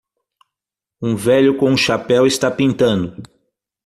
Um velho com um chapéu está pintando